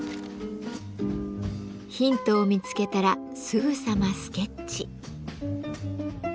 ヒントを見つけたらすぐさまスケッチ。